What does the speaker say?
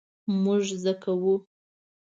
مونږ زده کوو